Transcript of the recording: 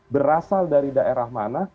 berasal dari daerah mana